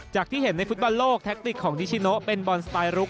ที่เห็นในฟุตบอลโลกแท็กติกของนิชิโนเป็นบอลสไตล์ลุก